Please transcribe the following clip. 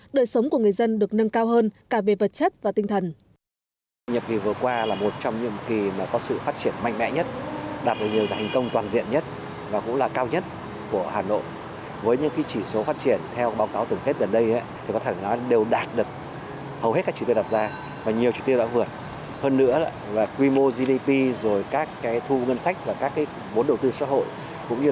đời sống của người dân được nâng cao hơn cả về vật chất và tinh thần